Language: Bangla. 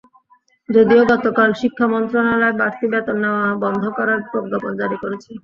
যদিও গতকাল শিক্ষা মন্ত্রণালয় বাড়তি বেতন নেওয়া বন্ধ করার প্রজ্ঞাপন জারি করেছে।